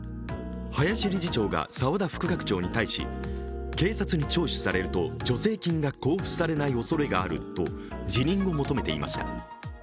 林理事長が澤田副学長に対し、警察に捜査されると助成金が交付されないおそれがあると辞任を求めていました。